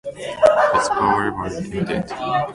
Its powers were limited.